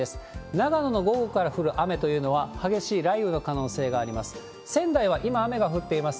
長野の午後から降る雨というのは激しい雷雨の可能性があります。